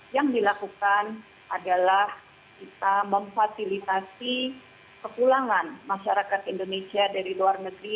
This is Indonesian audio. yang dilakukan adalah kita memfasilitasi kepulangan masyarakat indonesia dari luar negeri